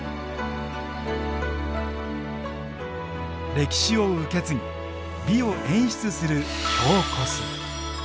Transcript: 歴史を受け継ぎ美を演出する京コスメ。